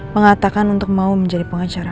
mengatakan untuk mau menjadi pengacara